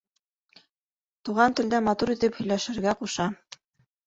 Туған телдә матур итеп һөйләшергә ҡуша.